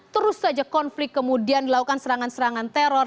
terus saja konflik kemudian dilakukan serangan serangan teror